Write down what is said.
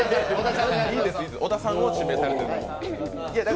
小田さんを指名されているので。